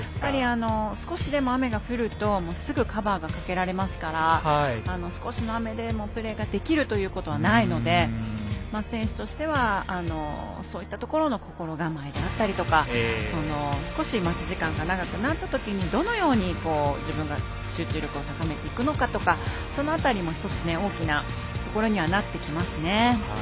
少しでも雨が降るとすぐカバーがかけられますから少しの雨でもプレーができるということはないので選手としてはそういったところの心構えであったりとか少し待ち時間が長くなったときにどのように自分が集中力を高めていくのかとかその辺りも１つ大きなところにはなってきますね。